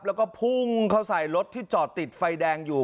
แล้วก็พุ่งเข้าใส่รถที่จอดติดไฟแดงอยู่